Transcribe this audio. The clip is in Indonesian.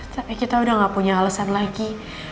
tapi kita udah gak punya alasan lagi